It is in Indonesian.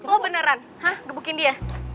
oh beneran hah gebukin dia